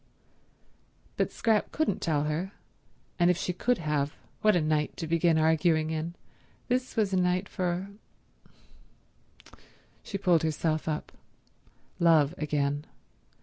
But Scrap couldn't tell her; and if she could have, what a night to begin arguing in. This was a night for— She pulled herself up. Love again.